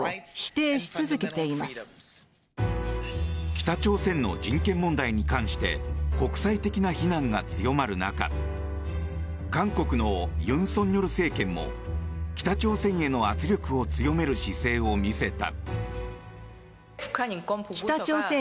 北朝鮮の人権問題に関して国際的な非難が強まる中韓国の尹錫悦政権も北朝鮮への圧力を強める姿勢を見せた。